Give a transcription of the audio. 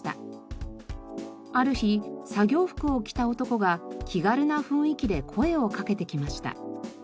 ある日作業服を着た男が気軽な雰囲気で声をかけてきました。